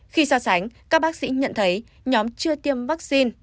khi so sánh các bác sĩ nhận thấy nhóm chưa tiêm vaccine